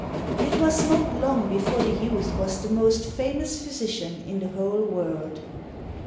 It was not long before the youth was the most famous physician in the whole world.